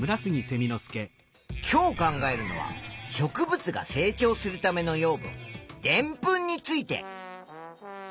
今日考えるのは植物が成長するための養分でんぷんについて。